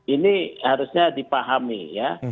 ini harusnya dipahami ya